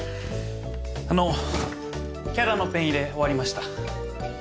あのキャラのペン入れ終わりました。